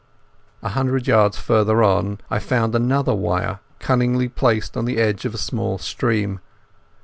A hundred yards farther on I found another wire cunningly placed on the edge of a small stream.